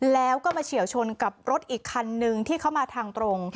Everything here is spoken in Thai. แล้วก็มาเฉียวชนกับรถอีกคันนึงที่เข้ามาทางตรง